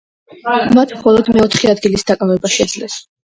მათ მხოლოდ მეოთხე ადგილის დაკავება შეძლეს.